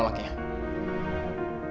saya harus pergi